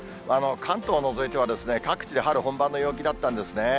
関東を除いては、各地で春本番の陽気だったんですね。